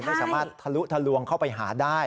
ไม่สามารถทะลุทะลวงเข้าไปหาได้